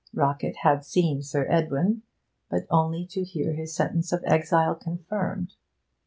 Rockett had seen Sir Edwin, but only to hear his sentence of exile confirmed.